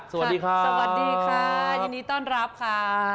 สวัสดีค่ะสวัสดีค่ะยินดีต้อนรับค่ะ